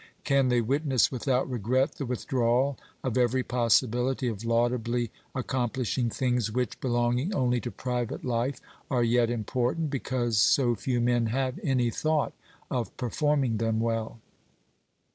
Can they witness without regret the withdrawal of every possibility of laudably accom plishing things which, belonging only to private life, are yet important, because so few men have any thought of per forming them well